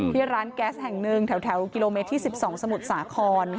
ที่ร้านแก๊สแห่งหนึ่งแถวกิโลเมตรที่๑๒สมุทรสาคร